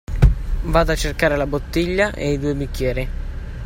Vado a cercare la bottiglia e i due bicchieri.